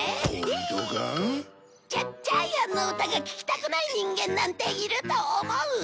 ジャジャイアンの歌が聴きたくない人間なんていると思う！？